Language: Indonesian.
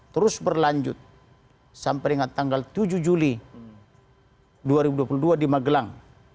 terus berlanjut sampai dengan tanggal tujuh juli dua ribu dua puluh dua di magelang